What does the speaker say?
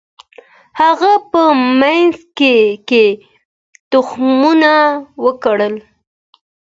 هغه په مځکي کي تخمونه وکرل.